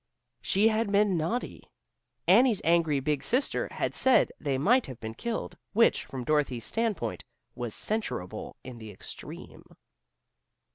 She had been naughty. Annie's angry big sister had said they might have been killed, which, from Dorothy's standpoint, was censurable in the extreme.